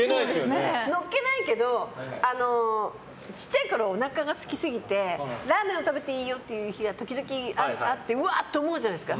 のっけないけどちっちゃいころおなかがすきすぎてラーメンを食べていいよという日が時々あってうわーって思うじゃないですか。